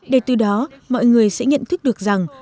để từ đó mọi người sẽ nhận thức được rằng